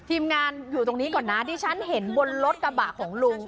ทีมงานอยู่ตรงนี้ก่อนนะดิฉันเห็นบนรถกระบะของลุง